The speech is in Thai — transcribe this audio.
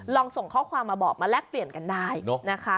ส่งข้อความมาบอกมาแลกเปลี่ยนกันได้นะคะ